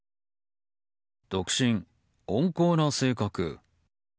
独身、温厚な性格。